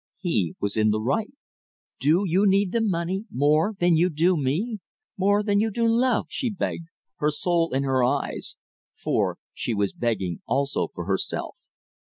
He was in the right. "Do you need the money more than you do me? more than you do love?" she begged, her soul in her eyes; for she was begging also for herself.